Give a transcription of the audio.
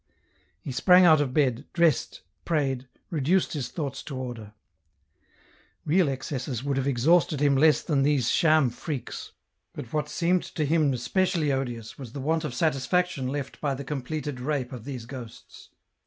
He sprang out of bed, dressed, prayed, reduced his thoughts to order. Real excesses would have exhausted him less than these sham freaks, but what seemed to him especially odious was the want of satisfaction left by the completed rape of these ghosts.